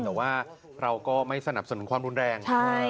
แต่ว่าเราก็ไม่สนับสนุนความรุนแรง